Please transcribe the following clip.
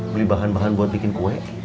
beli bahan bahan buat bikin kue